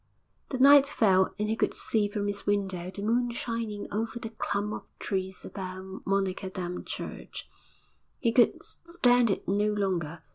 The night fell and he could see from his window the moon shining over the clump of trees about Monnickendam church he could stand it no longer.